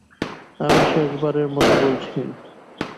আমি শেষবারের মতো বলছি।